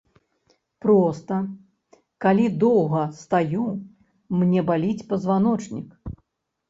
Проста, калі доўга стаю, мне баліць пазваночнік.